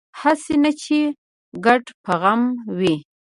هسې نه چې ګډ په غم وي